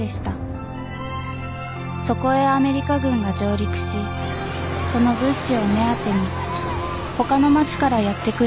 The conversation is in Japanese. そこへアメリカ軍が上陸しその物資を目当てに他の町からやって来る戦争